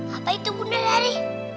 apa itu bunda dari